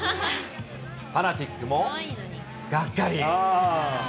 ファナティックもがっかり。